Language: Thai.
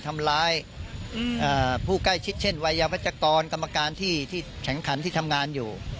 ทำร้ายผู้ใกล้ชิดเช่นวัยยาวัชกรกรรมการที่แข็งขันที่ทำงานอยู่